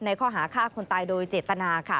ข้อหาฆ่าคนตายโดยเจตนาค่ะ